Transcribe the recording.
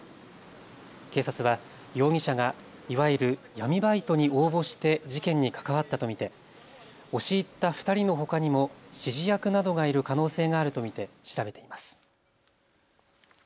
警察は容疑者がいわゆる闇バイトに応募して事件に関わったと見て押し入った２人のほかにも指示役などがいる可能性があると見て調べています。